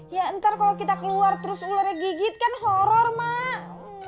ya ntar kalau kita keluar terus ularnya gigit kan horror mak